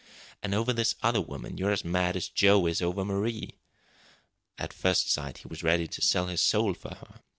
_ And over this other woman you're as mad as Joe is over Marie. At first sight he was ready to sell his soul for her.